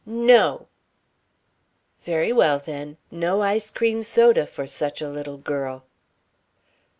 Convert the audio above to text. "No!" "Very well, then. No ice cream soda for such a little girl."